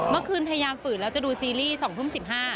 พยายามฝืนแล้วจะดูซีรีส์๒ทุ่ม๑๕